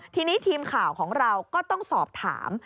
ทีนี้ทีมข่าวของเราก็ต้องสอบถาม